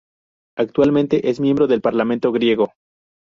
Actualmente es miembro del Parlamento griego.